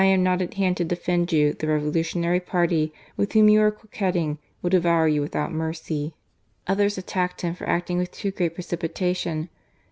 255 am not at hand to defend you, the revolutionary party with whom you are coquetting, will devour you without mercy." Others attacked him for acting with too great precipitation.